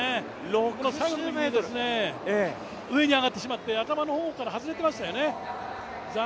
６０ｍ上に上がってしまって、頭の方から外れてましたよね。